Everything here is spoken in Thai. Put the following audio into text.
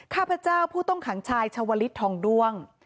ข้าพเจ้าผู้ต้องขังชายชาวลิศทองด้วง